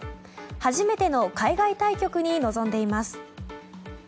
初めての海外対局に臨んでいます。